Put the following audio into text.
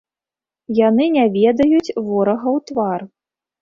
Яны не ведаюць ворага ў твар.